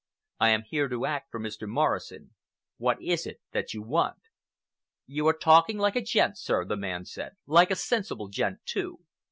I am here to act for Mr. Morrison. What is it that you want?" "You are talking like a gent, sir," the man said,—"like a sensible gent, too.